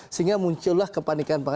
sehingga muncullah kepanikan